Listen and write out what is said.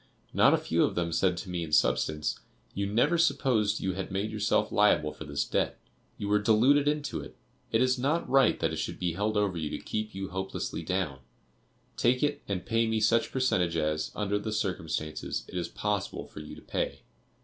Not a few of them said to me in substance: "you never supposed you had made yourself liable for this debt; you were deluded into it; it is not right that it should be held over you to keep you hopelessly down; take it, and pay me such percentage as, under the circumstances, it is possible for you to pay."